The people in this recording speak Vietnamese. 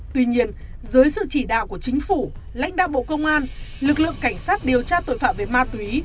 tuy nhiên dưới sự chỉ đạo của chính phủ lãnh đạo bộ công an lực lượng cảnh sát điều tra tội phạm về ma túy